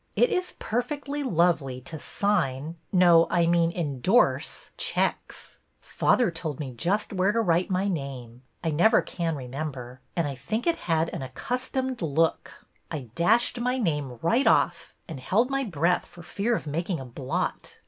It is perfectly lovely to sign — no, I mean indorse — checks. Father told me just where to write my name — I never can remember — and I think it had an accustomed look. I dashed my name right off and held my breath for fear of making a blot.